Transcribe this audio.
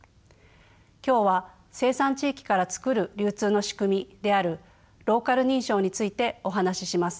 今日は生産地域から創る流通の仕組みであるローカル認証についてお話しします。